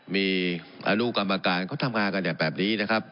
มีอนุกรรมการเขาทำงานกันอย่างแบบนี้นะครับ